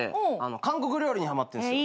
韓国料理にはまってんですよ。